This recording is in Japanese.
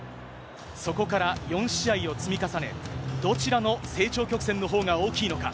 そこから４試合を積み重ね、どちらの成長曲線のほうが大きいのか。